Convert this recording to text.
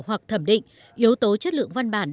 hoặc thẩm định yếu tố chất lượng văn bản